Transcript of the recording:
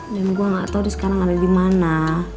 dan gue gak tau dia sekarang ada dimana